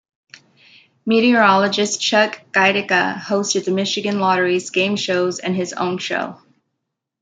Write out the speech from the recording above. Meteorologist Chuck Gaidica hosted the Michigan Lottery's game shows and his own show.